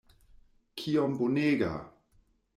Kiom bonega!